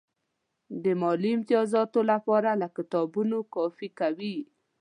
د مالي امتیازاتو لپاره له کتابونو کاپي کوي.